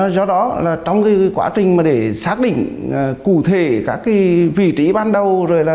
do đó trong quá trình để xác định cụ thể các vị trí ban đầu